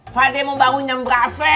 fadil mau bangun nyamber ave